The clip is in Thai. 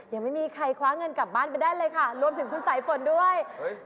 ยังไม่มีใครคว้าเงินกลับบ้านไปได้เลยค่ะรวมถึงคุณสายฝนด้วย